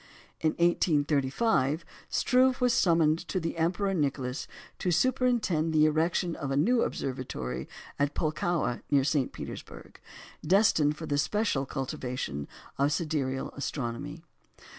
In 1835 Struve was summoned by the Emperor Nicholas to superintend the erection of a new observatory at Pulkowa, near St. Petersburg, destined for the special cultivation of sidereal astronomy.